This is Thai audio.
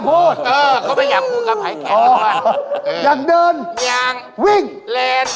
มันหลงมันมืด